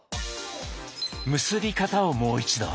結び方をもう一度。